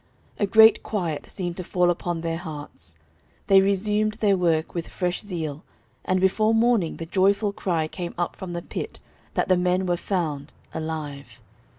A great quiet seemed to fall upon their hearts. They resumed their work with fresh zeal, and before morning, the joyful cry came up from the pit that the men were found alive.